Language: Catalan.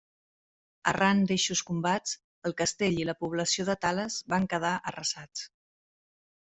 Arran d'eixos combats, el castell i la població de Tales van quedar arrasats.